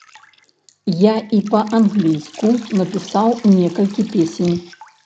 Я і па-англійску напісаў некалькі песень.